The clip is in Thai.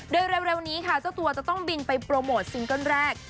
โดยเร็วนี้ค่ะเจ้าตัวจะต้องบินไปโปรโมทซิงเกิ้ลแรก